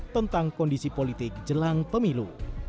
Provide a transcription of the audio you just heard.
tentang kondisi politik jelang pemilu